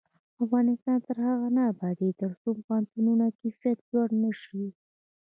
افغانستان تر هغو نه ابادیږي، ترڅو د پوهنتونونو کیفیت لوړ نشي.